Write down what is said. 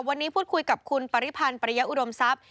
วันนี้พูดคุยกับคุณปริพันธ์ปริยะอุดมทรัพย์